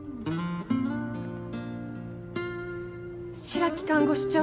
白木看護師長。